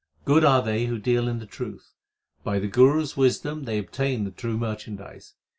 Good are they who deal in the truth ; By the Guru s wisdom they obtain the true merchandise.